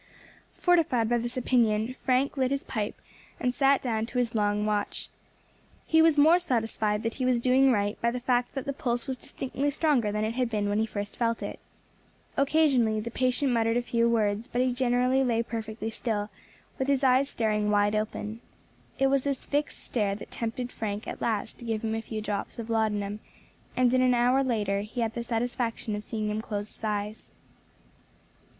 Fortified by this opinion, Frank lit his pipe, and sat down to his long watch. He was the more satisfied that he was doing right by the fact that the pulse was distinctly stronger than it had been when he first felt it. Occasionally the patient muttered a few words, but he generally lay perfectly still, with his eyes staring wide open. It was this fixed stare that tempted Frank at last to give him a few drops of laudanum, and in an hour later he had the satisfaction of seeing him close his eyes.